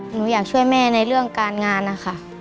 หนูอยากช่วยแม่ในเรื่องการงานนะคะ